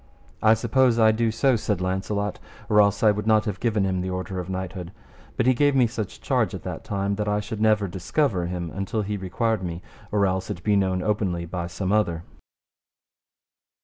I suppose I do so, said Launcelot, or else I would not have given him the order of knighthood; but he gave me such charge at that time that I should never discover him until he required me, or else it be known openly by some other.